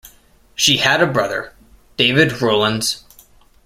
She had a brother, David Rowlands.